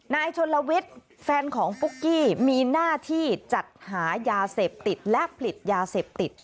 นายชนลวิทย์แฟนของปุ๊กกี้มีหน้าที่จัดหายาเสพติดและผลิตยาเสพติด